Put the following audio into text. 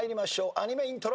アニメイントロ。